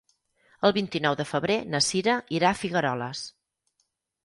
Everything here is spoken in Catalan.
El vint-i-nou de febrer na Cira irà a Figueroles.